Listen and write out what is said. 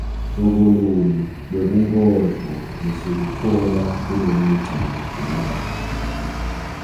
Hlobo luni lwebunkondlo lesibutfola kulemigca lelandzelako?